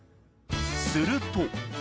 すると。